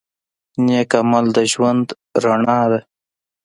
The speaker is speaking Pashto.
نیک عمل د ژوند رڼا ده.